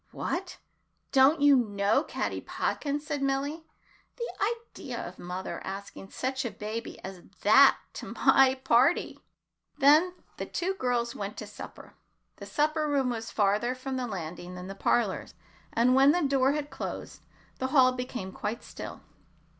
"What! don't you know Caddy Podkins?" said Milly. "The idea of mother asking such a baby as that to my party!" Then the two girls went to supper. The supper room was farther from the landing than the parlors, and when the door had closed, the hall became quite still.